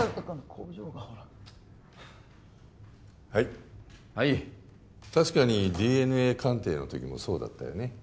工場がはいはい確かにＤＮＡ鑑定のときもそうだったよね